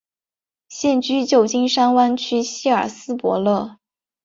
现居旧金山湾区希尔斯伯勒。